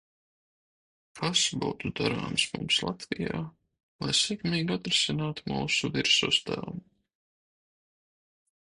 Kas būtu darāms mums Latvijā, lai sekmīgi atrisinātu mūsu virsuzdevumu?